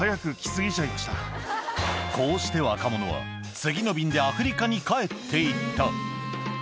こうして若者は、次の便でアフリカに帰っていった。